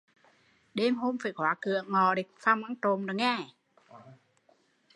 Đêm hôm phải khóa cựa ngọ đề phòng ăn trộm